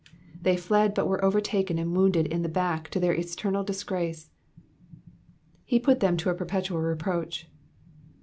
They fled but were overtaken and wounded in the back to their eternal disgrace. ''Be put them to a perpetual reproach.